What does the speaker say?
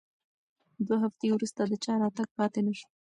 دوه هفتې وروسته د چا راتګ پاتې نه شو.